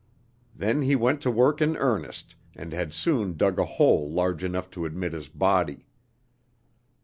Then he went to work in earnest, and had soon dug a hole large enough to admit his body.